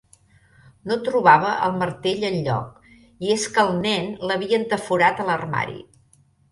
No trobava el martell enlloc, i és que el nen l'havia entaforat a l'armari.